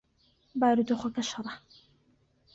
بارودۆخەکە شڕە.